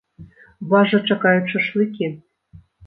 Вас жа чакаюць шашлыкі!